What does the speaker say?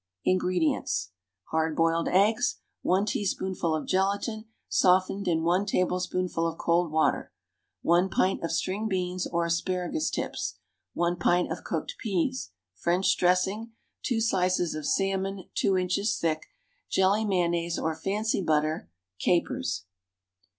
_) INGREDIENTS. Hard boiled eggs. 1 teaspoonful of gelatine, softened in one tablespoonful of cold water. 1 pint of string beans or asparagus tips. 1 pint of cooked peas. French dressing. 2 slices of salmon, 2 inches thick. Jelly mayonnaise, or fancy butter. Capers.